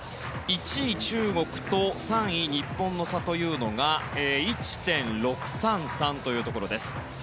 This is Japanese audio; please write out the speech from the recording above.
１位、中国と３位、日本の差は１．６３３というところです。